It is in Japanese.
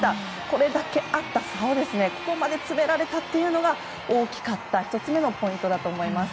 これだけあった差をここまで詰められたというのは大きかった１つ目のポイントだと思います。